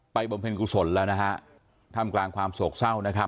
บำเพ็ญกุศลแล้วนะฮะท่ามกลางความโศกเศร้านะครับ